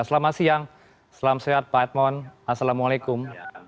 selamat siang selamat siang pak edmond assalamualaikum